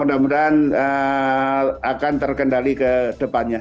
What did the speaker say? mudah mudahan akan terkendali ke depannya